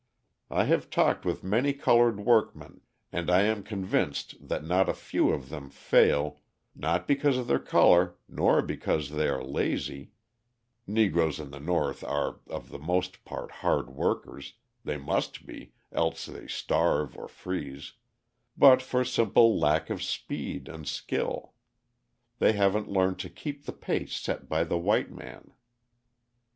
I have talked with many coloured workmen and I am convinced that not a few of them fail, not because of their colour, nor because they are lazy (Negroes in the North are of the most part hard workers they must be, else they starve or freeze), but for simple lack of speed and skill; they haven't learned to keep the pace set by the white man.